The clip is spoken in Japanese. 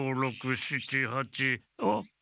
あっ？